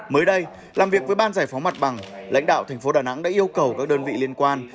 mới đây làm việc với ban giải phóng mặt bằng lãnh đạo thành phố đà nẵng đã yêu cầu các đơn vị liên quan